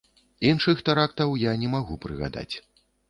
Іншых тэрактаў я не магу прыгадаць.